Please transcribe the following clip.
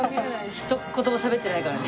ひと言もしゃべってないからね。